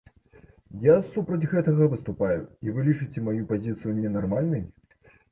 Я супраць гэтага выступаю, і вы лічыце маю пазіцыю ненармальнай?